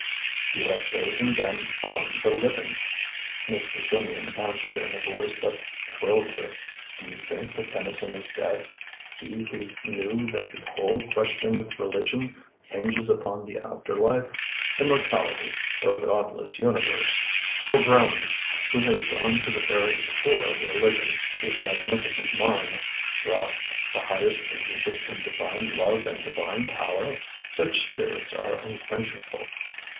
"You have chosen them among the living," Mr. Symeon answered in a voice that thrilled her. "Do you think that Tennyson is dead? He who knew that the whole question of religion hinges upon the after life: immortality or a godless universe. Or Browning, who has gone to the very core of religion, whose magnificent mind grasped the highest and deepest in Divine love and Divine power? Such spirits are unquenchable.